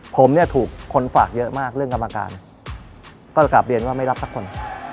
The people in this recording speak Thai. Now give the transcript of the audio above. ผมเนี่ยถูกคนฝากเยอะมากเรื่องกรรมการก็จะกลับเรียนว่าไม่รับสักคน